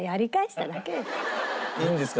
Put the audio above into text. いいんですか？